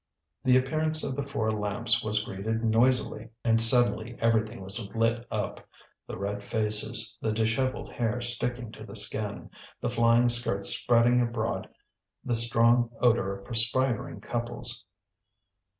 The appearance of the four lamps was greeted noisily, and suddenly everything was lit up the red faces, the dishevelled hair sticking to the skin, the flying skirts spreading abroad the strong odour of perspiring couples.